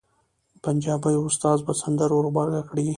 پنجابي استاد به سندره ور غبرګه کړي.